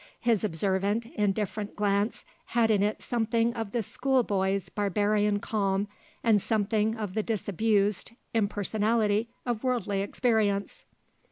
His observant, indifferent glance had in it something of the schoolboy's barbarian calm and something of the disabused impersonality of worldly experience.